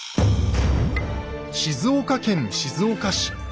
静岡県静岡市。